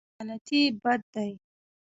غلطي بد دی.